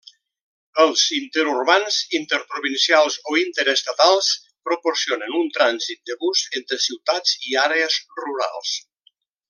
Els interurbans, interprovincials o interestatals proporcionen un trànsit de bus entre ciutats i àrees rurals.